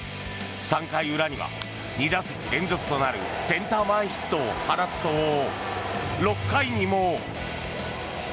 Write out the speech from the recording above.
３回裏には２打席連続となるセンター前ヒットを放つと６回にも。